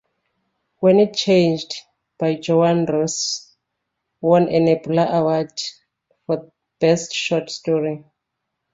"When It Changed" by Joanna Russ won a Nebula Award for Best Short Story.